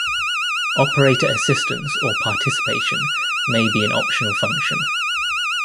Operator assistance or participation may be an optional function.